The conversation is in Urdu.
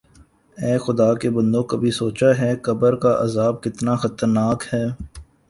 اے خدا کے بندوں کبھی سوچا ہے قبر کا عذاب کتنا خطرناک ہے